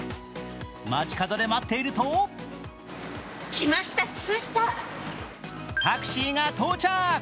街角で待っているとタクシーが到着。